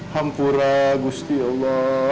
hampura gusti ya allah